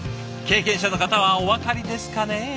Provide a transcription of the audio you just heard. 経験者の方はお分かりですかね？